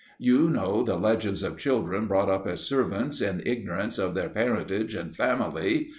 You know the legends of children brought up as servants in ignorance of their parentage and family.